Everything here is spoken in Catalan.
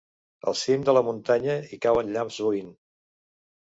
Al cim de la muntanya hi cauen llamps sovint.